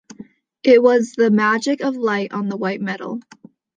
It was the magic of light on the white metal.